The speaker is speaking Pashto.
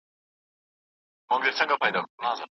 تاریخي پېښې پر ټولنه اغېز لري.